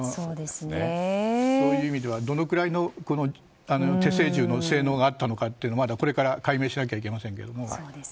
そういう意味ではどのくらいの手製銃の性能があったのか、これから解明しなきゃいけませんけど。